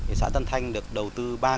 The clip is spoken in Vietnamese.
ở xã tân thanh được đầu tư gần hai ba tỷ đồng